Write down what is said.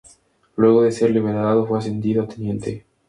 Luego de ser liberado fue ascendido a teniente.